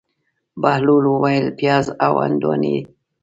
بهلول وویل: پیاز او هندواڼې.